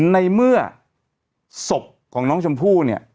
ในเมื่อศพของน้องชมพู่